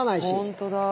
本当だ！